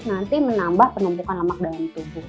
nanti menambah penumpukan lemak dalam tubuh